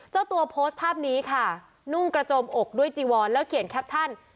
เจ้าตัวโพสต์ภาพนี้ค่ะนุ่งกระโจมอกด้วยจีวอนแล้วเขียนแคปชั่น